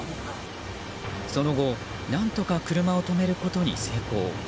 その後、何とか車を止めることに成功。